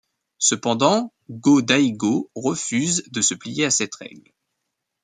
Cependant, Go-Daigo refuse de se plier à cette règle.